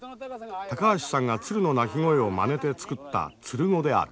高橋さんが鶴の鳴き声をまねて作った鶴語である。